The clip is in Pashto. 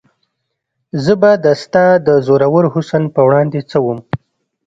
زه به د ستا د زورور حسن په وړاندې څه وم؟